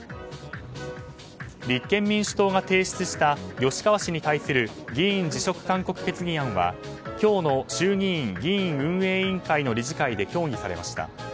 立憲民主党が提出した吉川氏に対する議員辞職勧告決議は今日の衆議院議院運営委員会の理事会で協議されました。